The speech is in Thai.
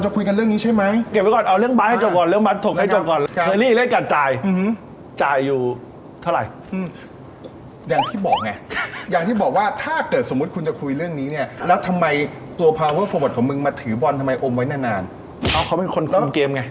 เขาเป็นคนคุมเกมไง